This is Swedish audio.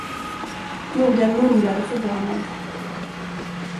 Modern mumlade förvånad.